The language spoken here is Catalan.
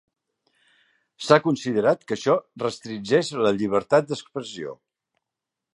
S'ha considerat que això restringeix la llibertat d'expressió.